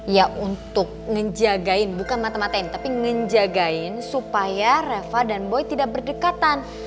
ya untuk ngejagain bukan matematain tapi ngejagain supaya reva dan boy tidak berdekatan